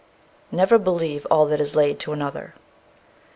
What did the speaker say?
_ Never believe all that is laid to another.